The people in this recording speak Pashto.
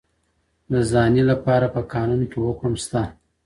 د زاني لپاره په قانون کي حکم سته.